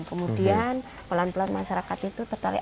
kemudian pelan pelan masyarakat itu tertarik